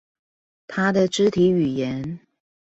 他的肢體語言